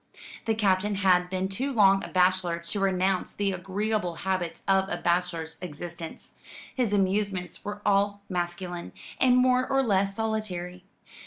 The Captain had been too long a bachelor to renounce the agreeable habits of a bachelor's existence. His amusements were all masculine, and more or less solitary.